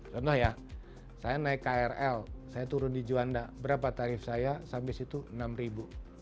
contoh ya saya naik krl saya turun di juanda berapa tarif saya sampai situ rp enam